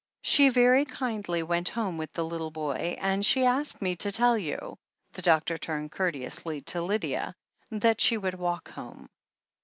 "She very kindly went home with the little boy, and she asked me to tell you" — ^the doctor turned courte ously to Lydia — "that she would walk home."